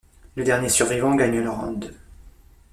Le dernier survivant gagne le round.